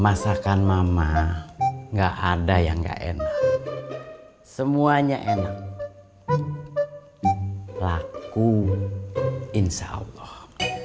masakan mama enggak ada yang enggak enak semuanya enak laku insya allah